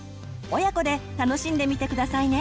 親子で楽しんでみて下さいね。